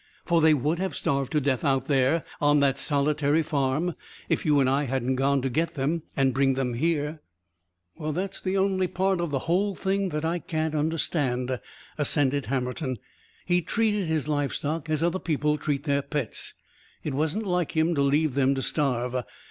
For they would have starved to death out there on that solitary farm if you and I hadn't gone to get them and bring them here." "That's the only part of the whole thing that I can't understand," assented Hammerton. "He treated his livestock as other people treat their pets. It wasn't like him to leave them to starve.